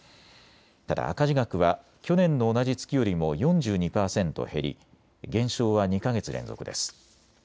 ただ、赤字額は去年の同じ月よりも４２％減り、減少は２か月連続です。